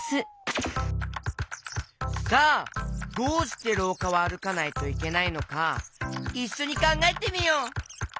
さあどうしてろうかはあるかないといけないのかいっしょにかんがえてみよう！